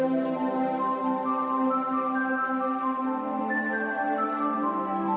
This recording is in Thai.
มีทุกอย่างที่ดีเพราะใคร